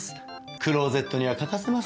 クローゼットには欠かせません。